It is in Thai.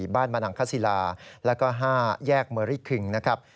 ๔บ้านมนังคสิลา๕แยกเมอริคคึง